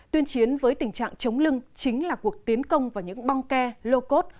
tuyên chiến với tình trạng chống lưng chính là cuộc tiến công vào những bong ke lô cốt